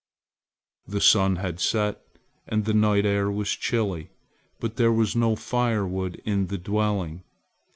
The sun had set and the night air was chilly, but there was no fire wood in the dwelling.